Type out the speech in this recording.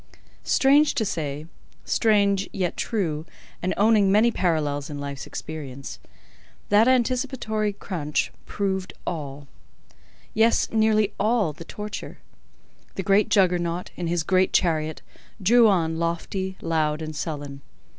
Strange to say—strange, yet true, and owning many parallels in life's experience—that anticipatory craunch proved all—yes—nearly all the torture. The great Juggernaut, in his great chariot, drew on lofty, loud, and sullen.